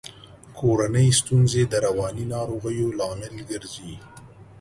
کورنۍ ستونزي د رواني ناروغیو لامل ګرزي.